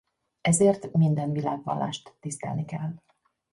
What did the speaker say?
Ezért minden világvallást tisztelni kell.